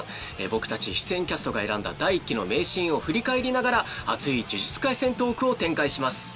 僕たち出演キャストが選んだ第１期の名シーンを振り返りながら熱い「呪術廻戦」トークを展開します。